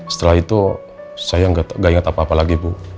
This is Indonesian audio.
setelah itu saya gak ingat apa apa lagi